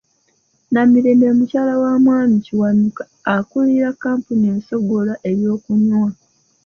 Namirembe mukyala wa Mwami Kiwanuka akulira kampuni essogola ebyokunywa.